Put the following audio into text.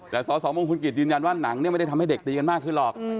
แต่สสมงคลกิจยืนยันว่าหนังเนี่ยไม่ได้ทำให้เด็กตีกันมากขึ้นหรอก